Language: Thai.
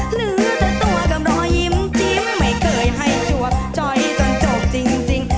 เหลือแต่ตัวกลับรอยิ้มที็มไม่เคยให้จบท้อยไห้จนจบจิ้ง